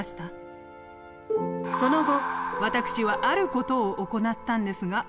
その後私はある事を行ったんですが。